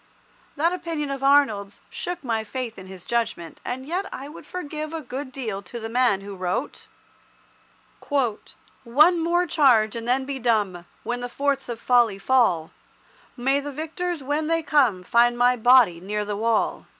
That opinion of Arnold's shook my faith in his judgment, and yet I would forgive a good deal to the man who wrote— "One more charge and then be dumb, When the forts of Folly fall, May the victors when they come Find my body near the wall."